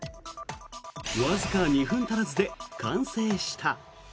わずか２分足らずで完成した。